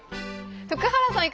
福原さん